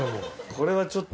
これはちょっと。